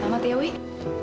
selamat ya wih